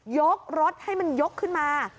ยกรถให้มันยกขึ้นมา